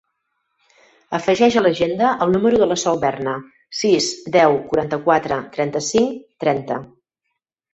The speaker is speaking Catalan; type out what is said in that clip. Afegeix a l'agenda el número de la Sol Berna: sis, deu, quaranta-quatre, trenta-cinc, trenta.